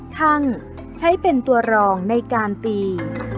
ทั้งใช้เป็นตัวรองในการตี